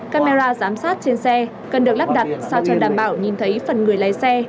camera giám sát trên xe cần được lắp đặt sao cho đảm bảo nhìn thấy phần người lái xe